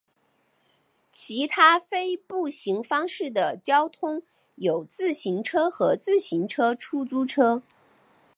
其他非步行方式的交通有自行车和自行车出租车。